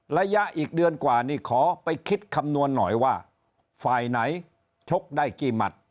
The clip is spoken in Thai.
ระยะอีกเดือนกว่านี่ขอไปคิดคำนวณหน่อยว่าฝ่ายไหนชกได้กี่หมัด